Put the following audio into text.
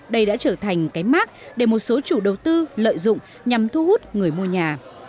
đây đã trở thành cái mát để một số chủ đầu tư lợi dụng nhằm thu hút người mua nhà